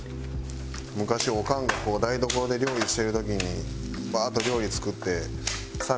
昔おかんが台所で料理してる時にバーッと料理作ってさあ